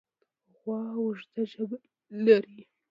غوا اوږده ژبه لري.